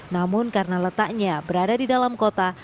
namun karena letaknya berada di dalam kota